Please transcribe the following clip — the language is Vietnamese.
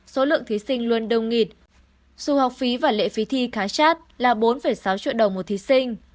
số lượng thí sinh luôn đông nghịt dù học phí và lệ phí thi khá chát là bốn sáu triệu đồng một thí sinh